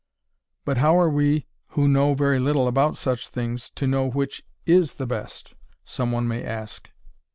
"But how are we who know very little about such things to know which is the best?" some one may ask.